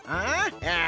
ああ？